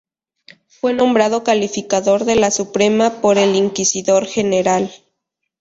Fue nombrado calificador de la Suprema por el Inquisidor General.